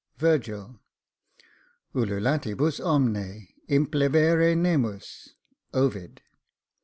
VIRGIL. Ululatibus omne Implevere nemus. OVID.